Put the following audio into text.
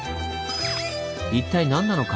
一体何なのか？